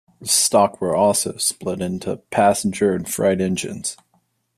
Stock were also split into passenger and freight engines.